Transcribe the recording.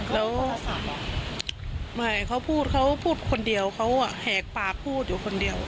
แล้วไม่เขาพูดเขาพูดคนเดียวเขาแหกปากพูดอยู่คนเดียว